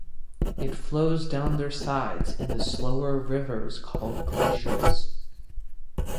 It flows down their sides in the slower rivers called glaciers.